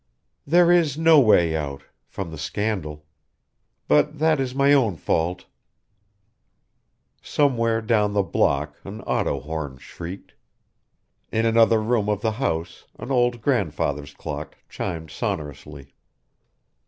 "There is no way out from the scandal. But that is my own fault " Somewhere down the block an auto horn shrieked: in another room of the house an old grandfather's clock chimed sonorously.